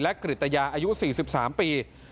และกริตยาอายุ๔๓ปี